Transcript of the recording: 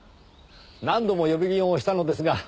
何度も呼び鈴を押したのですが。